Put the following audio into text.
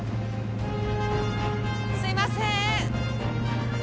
すいませーん！